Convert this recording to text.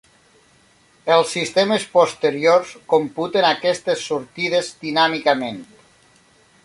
Els sistemes posteriors computen aquestes sortides dinàmicament.